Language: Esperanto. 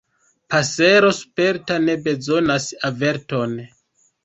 Pasero sperta ne bezonas averton.